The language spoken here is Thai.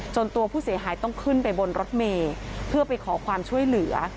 ตัวผู้เสียหายต้องขึ้นไปบนรถเมย์เพื่อไปขอความช่วยเหลือ